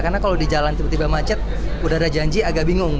karena kalau di jalan tiba tiba macet sudah ada janji agak bingung